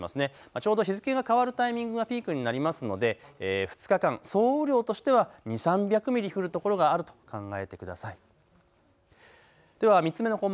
ちょうど日付が変わるタイミングがピークになりますので２日間の総雨量としては２００、３００ミリ降るところがあると考えてください。